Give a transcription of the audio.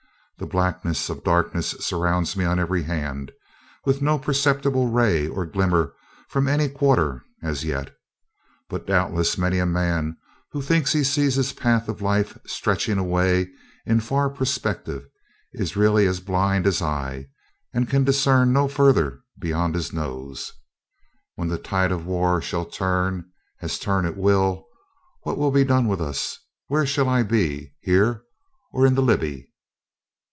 The blackness of darkness surrounds me on every hand, with no perceptible ray or glimmer from any quarter, as yet. But, doubtless, many a man who thinks he sees his path of life stretching away in far perspective is really as blind as I, and can discern no further beyond his nose. When the tide of war shall turn, as turn it will, what will be done with us? where shall I be, here or in the Libby?